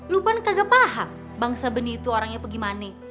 lu kan kagak paham bang sabeni itu orangnya apa gimana